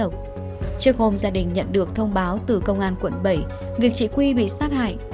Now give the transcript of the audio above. trước hôm gia đình nhận được thông báo từ công an quận bảy việc chị quy bị sát hại